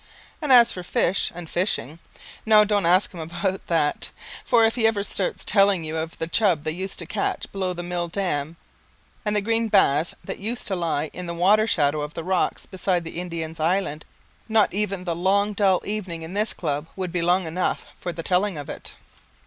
And as for fish, and fishing, no, don't ask him about that, for if he ever starts telling you of the chub they used to catch below the mill dam and the green bass that used to lie in the water shadow of the rocks beside the Indian's Island, not even the long dull evening in this club would be long enough for the telling of it.